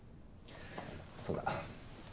そうだ。